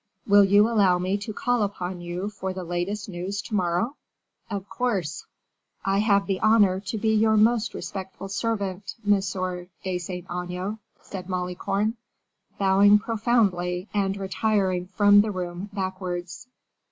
Will you allow me to call upon you for the latest news to morrow?" "Of course." "I have the honor to be your most respectful servant, M. de Saint Aignan," said Malicorne, bowing profoundly and retiring from the room backwards.